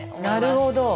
なるほど。